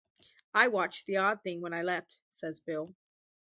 "I watched the odd thing when I left," says Bill.